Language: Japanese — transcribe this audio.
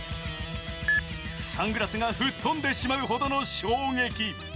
サングラスが吹っ飛んでしまうほどの衝撃。